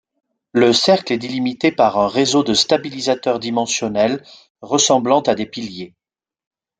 Le cercle est délimité par un réseau de stabilisateur dimensionnel, ressemblant à des piliers.